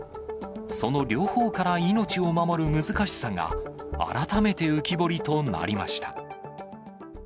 その両方から命を守る難しさが、改めて浮き彫りとなりました。